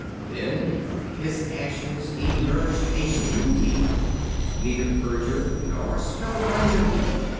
Then from his ashes emerged a new being. Neither urger nor spellbinder he.